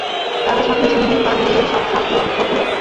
তাঁর সাথে ছিলেন তার মেয়ে সাফুরা।